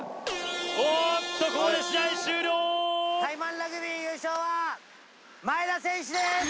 おおっとここで試合終了タイマンラグビー優勝は真栄田選手です！